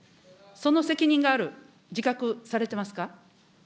その責任がある、自覚されてますか。